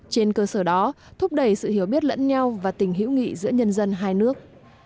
trên cơ sở đó thúc đẩy sự hiểu biết lẫn nhau và tình hữu nghị giữa nhân dân hai nước